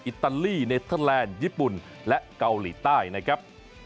อิตาลีเนเทอร์แลนด์ญี่ปุ่นและเกาหลีใต้นะครับ